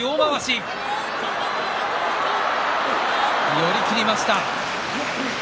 寄り切りました。